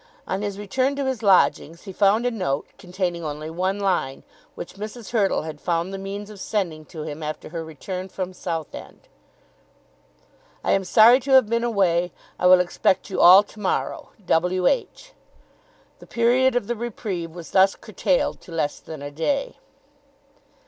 On his return to his lodgings he found a note, containing only one line, which Mrs. Hurtle had found the means of sending to him after her return from Southend. "I am so sorry to have been away. I will expect you all to morrow. W. H." The period of the reprieve was thus curtailed to less than a day.